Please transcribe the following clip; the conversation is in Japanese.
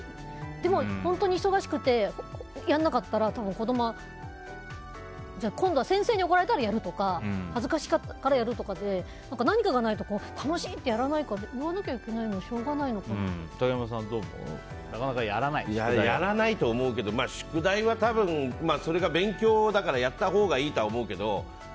でも、本当に忙しくてやらなかったら多分、子供は今度は先生に怒られたらやるとか恥ずかしいからやるとかで何かがないと楽しい！ってやらないから言わないと竹山さん、どう思う？やらないと思うけど宿題はそれが勉強だからやったほうがいいと思うけど。